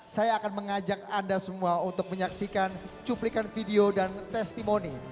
saya akan mengajak anda semua untuk menyaksikan cuplikan video dan testimoni